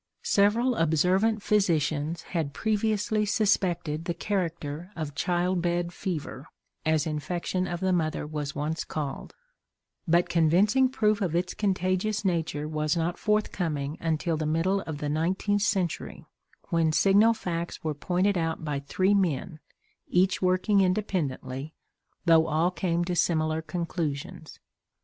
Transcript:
Several observant physicians had previously suspected the character of "child bed fever" (as infection of the mother was once called), but convincing proof of its contagious nature was not forthcoming until the middle of the nineteenth century, when signal facts were pointed out by three men, each working independently, though all came to similar conclusions.